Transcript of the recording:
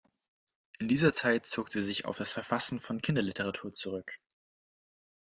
In dieser Zeit zog sie sich auf das Verfassen von Kinderliteratur zurück.